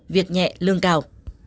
việc nhẹ lương cao